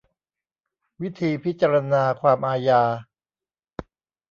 วิธีพิจารณาความอาญา